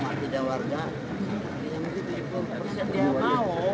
ini mungkin ibu persepsi yang mau